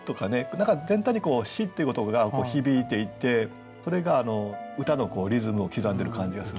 何か全体に「し」っていう言葉が響いていてこれが歌のリズムを刻んでる感じがするんですね。